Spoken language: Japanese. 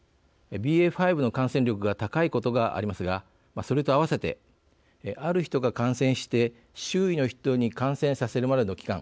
ＢＡ．５の感染力が高いことがありますがそれと併せてある人が感染して周囲の人に感染させるまでの期間